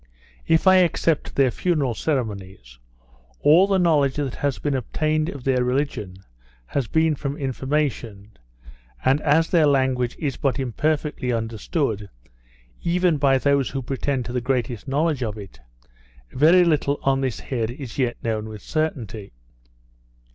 If I except their funeral ceremonies, all the knowledge that has been obtained of their religion, has been from information: And as their language is but imperfectly understood, even by those who pretend to the greatest knowledge of it, very little on this head is yet known with certainty.